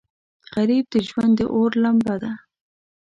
غریب د ژوند د اور لمبه ده